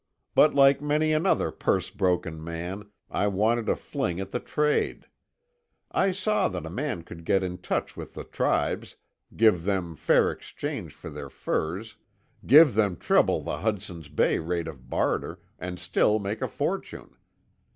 But like many another purse broken man, I wanted a fling at the trade. I saw that a man could get in touch with the tribes, give them fair exchange for their furs—give them treble the Hudson's Bay rate of barter—and still make a fortune.